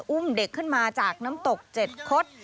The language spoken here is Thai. อุ้มเด็กขึ้นมาจากน้ำตก๗คด